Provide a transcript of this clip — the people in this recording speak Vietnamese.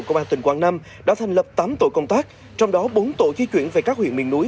công an tỉnh quảng nam đã thành lập tám tổ công tác trong đó bốn tổ di chuyển về các huyện miền núi